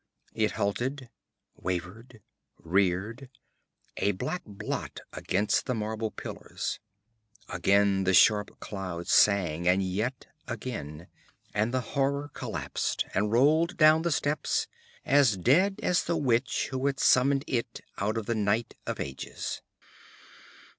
It halted, wavered, reared, a black blot against the marble pillars. Again the sharp cloud sang, and yet again, and the horror collapsed and rolled down the steps, as dead as the witch who had summoned it out of the night of ages.